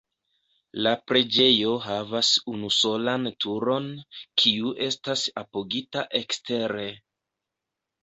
La preĝejo havas unusolan turon, kiu estas apogita ekstere.